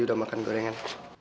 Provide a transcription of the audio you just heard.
udah makan gorengan